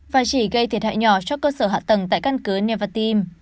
và chỉ gây thiệt hại nhỏ cho cơ sở hạ tầng tại căn cứ nevatim